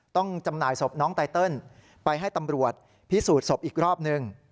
จำหน่ายศพน้องไตเติลไปให้ตำรวจพิสูจน์ศพอีกรอบนึง